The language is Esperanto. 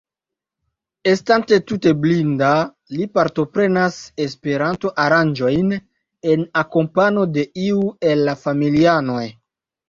Estante tute blinda, li partoprenas Esperanto-aranĝojn en akompano de iu el la familianoj.